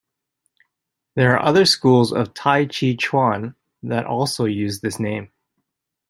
There are other schools of T'ai chi ch'uan that also use this name.